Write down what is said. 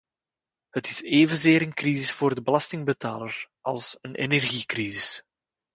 Het is evenzeer een crisis voor de belastingbetaler als een energiecrisis.